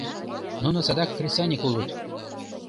Нуно садак кресаньык улыт.